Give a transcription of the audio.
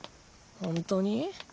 ほんとに？